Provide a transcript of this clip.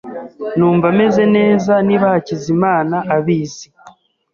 Numva meze neza niba Hakizimana abizi.